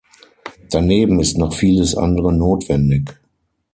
Daneben ist noch vieles andere notwendig.